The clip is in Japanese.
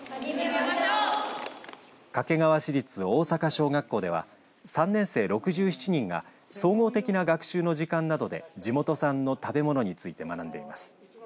掛川市立大坂小学校では３年生６７人が総合的な学習の時間などで地元産の食べ物について学んでいます。